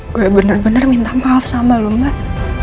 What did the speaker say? gue bener bener minta maaf sama lu mbak